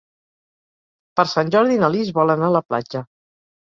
Per Sant Jordi na Lis vol anar a la platja.